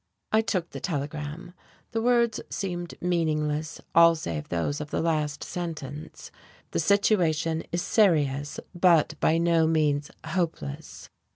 I took the telegram. The wordy seemed meaningless, all save those of the last sentence. "The situation is serious, but by no means hopeless."